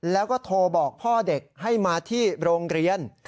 แล้วก็โทรบอกพ่อเด็กให้มาที่โรงเรียน